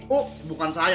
oh bukan saya